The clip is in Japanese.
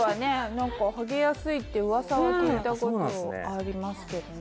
何かハゲやすいって噂は聞いたことありますけどね